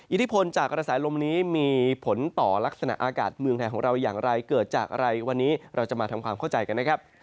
อิทธิพลจากกระแสลมนี้มีผลต่อลักษณะอากาศเมืองไทยของเราอย่างไรเกิดจากอะไรวันนี้เราจะมาทำความเข้าใจกันนะครับ